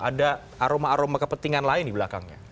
ada aroma aroma kepentingan lain di belakangnya